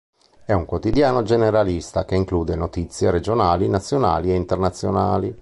È un quotidiano generalista che include notizie regionali, nazionali e internazionali.